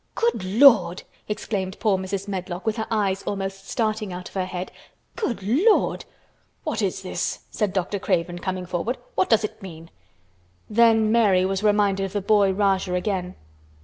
"Good Lord!" exclaimed poor Mrs. Medlock with her eyes almost starting out of her head. "Good Lord!" "What is this?" said Dr. Craven, coming forward. "What does it mean?" Then Mary was reminded of the boy Rajah again.